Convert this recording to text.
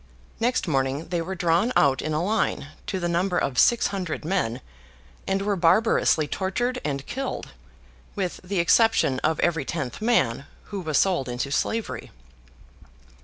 Next morning they were drawn out in a line, to the number of six hundred men, and were barbarously tortured and killed; with the exception of every tenth man, who was sold into slavery.